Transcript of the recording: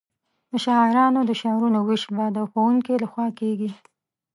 د شاعرانو د شعرونو وېش به د ښوونکي له خوا کیږي.